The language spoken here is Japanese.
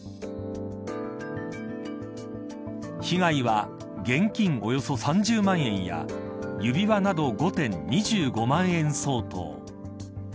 被害は、現金およそ３０万円や指輪など５点、２５万円相当。